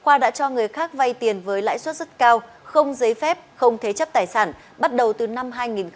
khoa đã cho người khác vay tiền với lãi suất rất cao không giấy phép không thế chấp tài sản bắt đầu từ năm hai nghìn một mươi